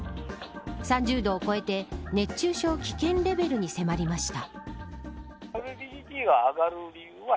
３０度を超えて熱中症危険レベルに迫りました。